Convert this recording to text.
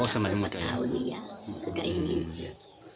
terus ibu ini artinya untuk membayar haji ini gimana